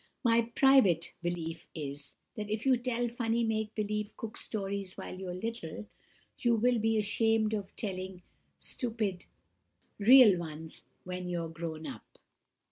"My private belief is, that if you tell funny make believe Cook Stories while you're little, you will be ashamed of telling stupid real ones when you're grown up."